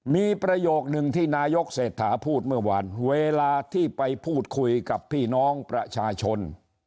มีประโยคหนึ่งที่นายกเศรษฐาพูดเมื่อวานเวลาที่ไปพูดคุยกับพี่น้องประชาชน